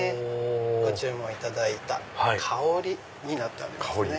ご注文いただいた香になっております。